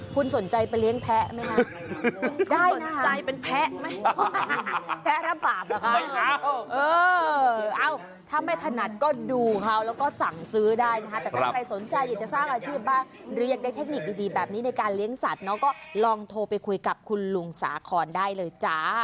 คุณสนใจไปเลี้ยงแพ้ไหมนะได้นะคะคุณสนใจเป็นแพ้ไหมแพ้ระบาปเหรอคะ